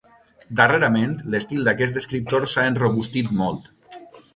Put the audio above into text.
Darrerament l'estil d'aquest escriptor s'ha enrobustit molt.